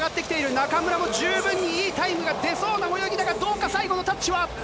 中村も十分にいいタイムが出そうな泳ぎだが、どうか、最後のタッチは。